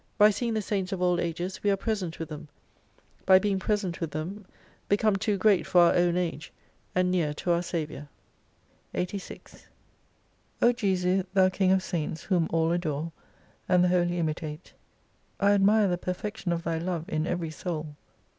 By seeing the Saints of all Ages we are present with them : by being present with them become too great for our own age, and near to our Saviour. 64 86 O Jesu, Thou King of Saints, whom all adore : and the Holy imitate, I admire the perfection of Thy Love in every soul